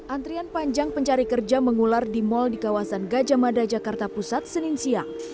antrian panjang pencari kerja mengular di mal di kawasan gajah mada jakarta pusat senin siang